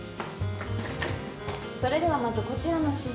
それではまずこちらの。